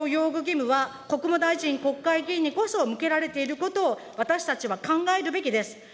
憲法尊重擁護義務は、国務大臣、国会議員にこそ向けられていることを私たちは考えるべきです。